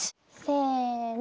せの。